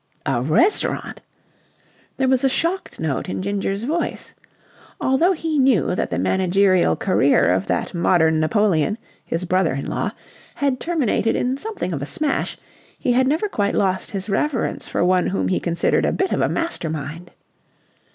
"A restaurant!" There was a shocked note in Ginger's voice. Although he knew that the managerial career of that modern Napoleon, his brother in law, had terminated in something of a smash, he had never quite lost his reverence for one whom he considered a bit of a master mind.